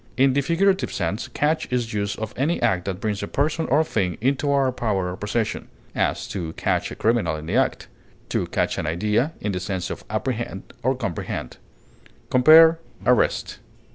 In the figurative sense, catch is used of any act that brings a person or thing into our power or possession; as, to catch a criminal in the act; to catch an idea, in the sense of apprehend or comprehend. Compare ARREST.